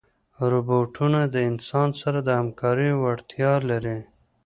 روبوټونه د انسان سره د همکارۍ وړتیا لري.